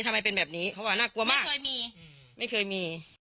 ทำไมเป็นแบบนี้เขาบอกน่ากลัวมากไม่เคยมีไม่เคยมี